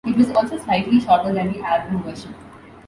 It was also slightly shorter than the album version.